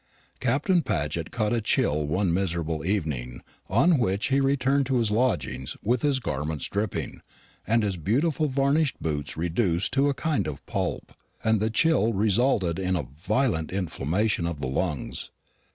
Captain Paget caught a chill one miserable evening on which he returned to his lodging with his garments dripping, and his beautiful varnished boots reduced to a kind of pulp; and the chill resulted in a violent inflammation of the lungs.